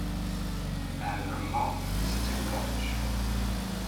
And her mouth is too large.